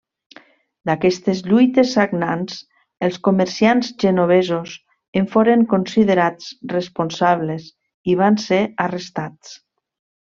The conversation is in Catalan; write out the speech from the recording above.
D'aquestes lluites sagnants els comerciants genovesos en foren considerats responsables i van ser arrestats.